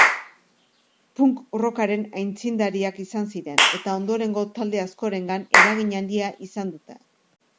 Punk-rockaren aitzindariak izan ziren eta ondorengo talde askorengan eragin handia izan dute.